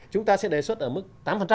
chúng ta sẽ đề xuất ở mức tám